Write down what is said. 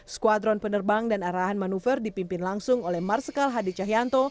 skuadron penerbang dan arahan manuver dipimpin langsung oleh marsikal hadi cahyanto